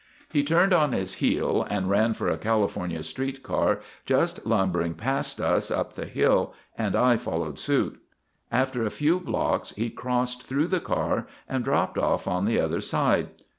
He turned on his heel and ran for a California Street car just lumbering past us up the hill and I followed suit. After a few blocks he crossed through the car and dropped off on the other side.